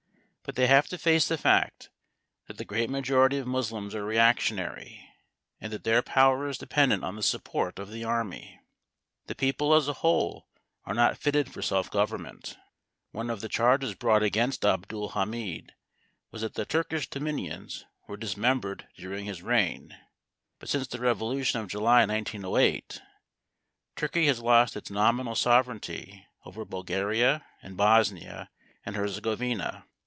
But they have to face the fact that the great majority of Moslems are reactionary, and that their power is dependent on the support of the army. The people as a whole are not fitted for self government. One of the charges brought against Abdul Hamid was that the Turkish dominions were dismembered during his reign, but since the revolution of July, 1908, Turkey has lost its nominal sovereignty over Bulgaria and Bosnia and Herzegovina.